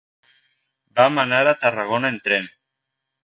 Vam anar a Tarragona en tren.